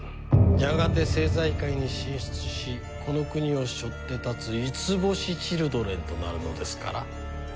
やがて政財界に進出しこの国を背負って立つ五星チルドレンとなるのですから。